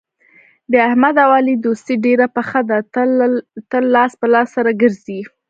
د احمد او علي دوستي ډېره پخه ده تل لاس په لاس سره ګرځي.